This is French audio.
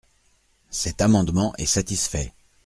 Cet amendement est satisfait.